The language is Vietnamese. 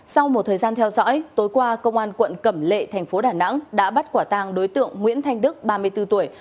sau một thời gian theo dõi tối qua công an quận cẩm lệ thành phố đà nẵng đã bắt quả tàng đối tượng nguyễn thanh đức ba mươi bốn tuổi